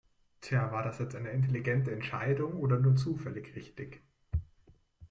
Tja, war das jetzt eine intelligente Entscheidung oder nur zufällig richtig?